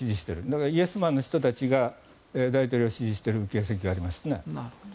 だからイエスマンの人たちが大統領を支持している形跡がありますね。